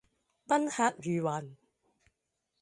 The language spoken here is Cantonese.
賓客如雲